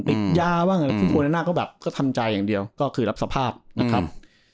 ติดยาบ้างซึ่งโคนาน่าก็แบบก็ทำใจอย่างเดียวก็คือรับสภาพนะครับ